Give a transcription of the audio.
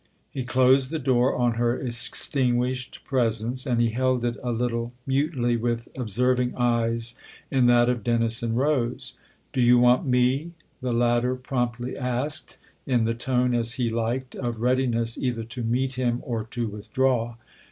He closed the door on her extin guished presence and he held it a little, mutely, with observing eyes, in that of Dennis and Rose. 11 Do you want me ?" the latter promptly asked, in the tone, as he liked, of readiness either to meet him or to withdraw.